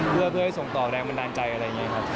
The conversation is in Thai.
เพื่อให้ส่งต่อแรงบันดาลใจอะไรอย่างนี้ครับ